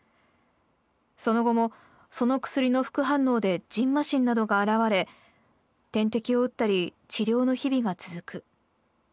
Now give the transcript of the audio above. その後もその薬の副反応でじんましんなどが現れ点滴を打ったり治療の日々が続く。